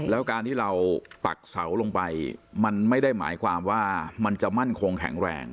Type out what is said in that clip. แล้วการที่เราปักเสาลงไปมันไม่ได้หมายความว่ามันจะมั่นคงแข็งแรง